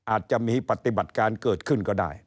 อาจจะมีปฏิบัติการเกิดขึ้นก็ได้